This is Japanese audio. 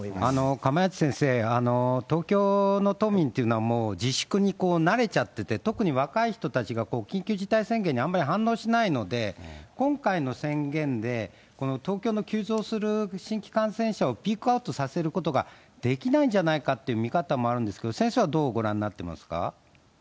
釜萢先生、東京の都民というのは、もう自粛に慣れちゃってて、特に若い人たちが、緊急事態宣言にあんまり反応しないので、今回の宣言で、東京の急増する新規感染者をピークアウトさせることができないんじゃないかっていう見方もあるんですけど、先生はどうご覧になってますか。